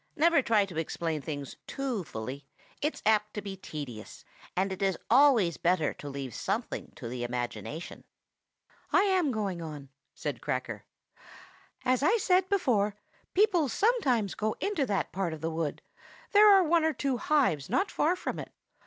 never try to explain things too fully; it's apt to be a little tedious, and it is always better to leave something to the imagination." "I am going on," said Cracker. "As I said before, people sometimes go into that part of the wood; there are one or two hives not far from it."